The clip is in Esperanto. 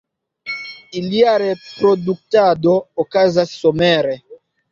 Ilia reproduktado okazas somere.